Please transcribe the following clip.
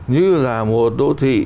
như là một đô thị